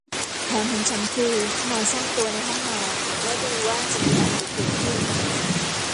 แผนของฉันคือนอนซ่อนตัวในห้องนอนและดูว่าจะมีอะไรเกิดขึ้น